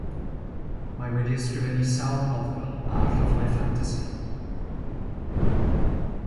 Mae wedi ysgrifennu sawl nofel a llyfrau ffantasi.